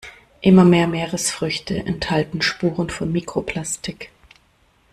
Immer mehr Meeresfrüchte enthalten Spuren von Mikroplastik.